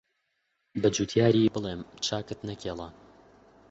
بەجوتیاری بڵێم چاکت نەکێڵا